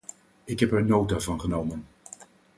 Ik heb er nota van genomen.